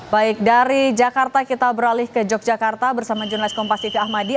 baik dari jakarta kita beralih ke yogyakarta bersama jurnalis kompas siti ahmadiya